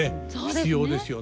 必要ですよね。